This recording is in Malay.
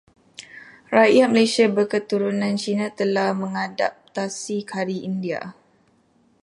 Rakyat Malaysia berketurunan Cina telah mengadaptasi Kari India.